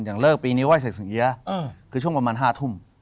อย่างเลิกปีนี้ไหว้ใส่สิงเอี๊ยะคือช่วงประมาณ๕ทุ่ม